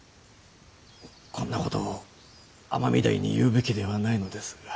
こんなことを尼御台に言うべきではないのですが。